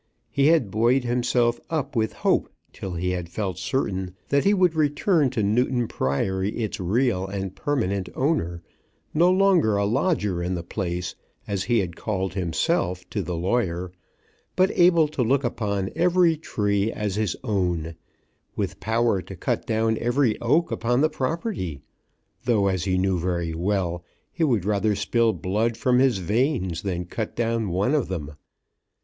He had buoyed himself up with hope till he had felt certain that he would return to Newton Priory its real and permanent owner, no longer a lodger in the place, as he had called himself to the lawyer, but able to look upon every tree as his own, with power to cut down every oak upon the property; though, as he knew very well, he would rather spill blood from his veins than cut down one of them.